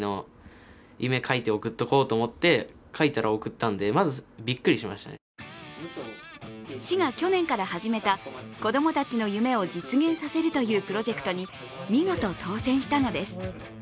そんなとき市が去年から始めた子供たちの夢を実現させるというプロジェクトに見事、当選したのです。